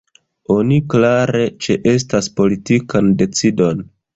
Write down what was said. Oni klare ĉeestas politikan decidon.